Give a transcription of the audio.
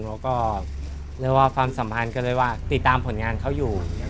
แล้วก็เรียกว่าความสัมพันธ์ก็เลยว่าติดตามผลงานเขาอยู่